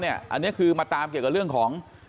อันนี้คือมาตามเกี่ยวกับเรื่องของ